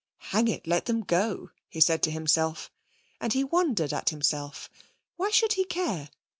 'Hang it, let them go!' he said to himself, and he wondered at himself. Why should he care?